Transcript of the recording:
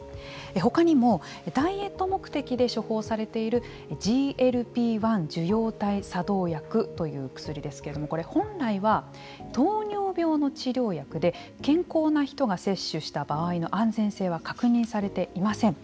ほかにも、ダイエット目的で処方されているＧＬＰ−１受容体作動薬という薬ですけれどもこれ、本来は糖尿病の治療薬で健康な人が摂取した場合の安全性は確認されていません。